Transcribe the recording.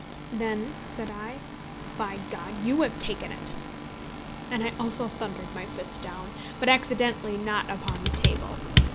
"Then," said I, "by G ! you have taken it." And I also thundered my fist down; but, accidentally, not upon the table.